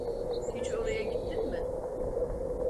Hiç oraya gittin mi?